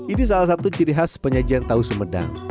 ini salah satu ciri khas penyajian tahu sumedang